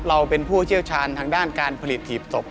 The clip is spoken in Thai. เราเป็นผู้เชี่ยวชาญทางด้านการผลิตหีบศพ